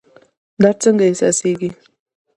درد څنګه احساسیږي؟